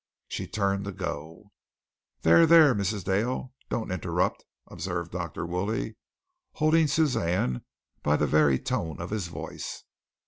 She turned to go. "There, there, Mrs. Dale, don't interrupt," observed Dr. Woolley, holding Suzanne by the very tone of his voice.